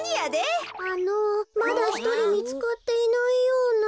あのまだひとりみつかっていないような。